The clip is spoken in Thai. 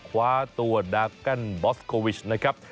คว้าตัวดากันบอสโควิชนะครับ